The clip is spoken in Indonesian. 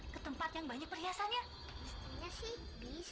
tetapi kamu tetap seperti ini